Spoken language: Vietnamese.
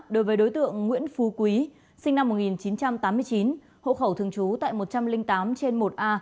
đối tượng nguyễn phu quý sinh năm một nghìn chín trăm tám mươi chín hộ khẩu thường trú tại một trăm linh tám trên một a